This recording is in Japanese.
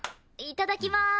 いただきまーす。